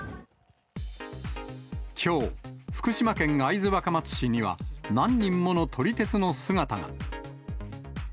きょう、福島県会津若松市には、何人もの撮り鉄の姿が。